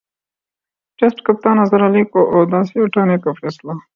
test کپتان اظہرعلی کو عہدہ سےہٹانےکا فیصلہ